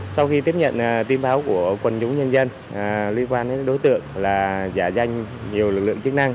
sau khi tiếp nhận tin báo của quần chúng nhân dân liên quan đến đối tượng là giả danh nhiều lực lượng chức năng